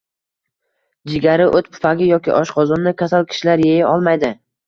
jigari, o‘t pufagi yoki oshqozoni kasal kishilar yeya olmaydi.